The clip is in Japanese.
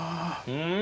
うん！